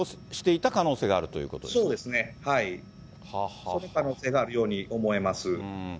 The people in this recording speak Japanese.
その可能性があるように思えます。